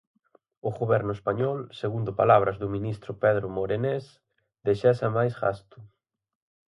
O goberno español, segundo palabras do ministro Pedro Morenés, desexa máis gasto.